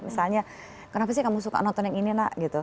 misalnya kenapa sih kamu suka nonton yang ini nak gitu